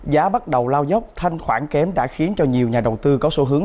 giá bắt đầu lao dốc thanh khoản kém đã khiến cho nhiều nhà đầu tư có xu hướng